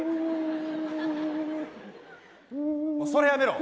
これやめろ。